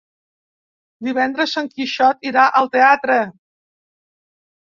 Divendres en Quixot irà al teatre.